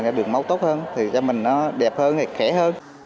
là lượng máu tốt hơn thì cho mình nó đẹp hơn khẽ hơn